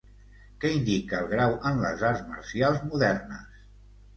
Què indica el grau en les arts marcials modernes?